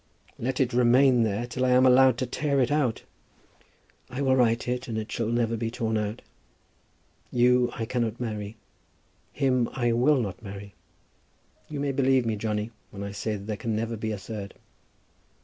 "Let it remain there till I am allowed to tear it out." "I will write it, and it shall never be torn out. You I cannot marry. Him I will not marry. You may believe me, Johnny, when I say there can never be a third."